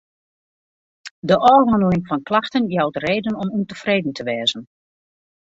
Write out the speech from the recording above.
De ôfhanneling fan klachten jout reden om ûntefreden te wêzen.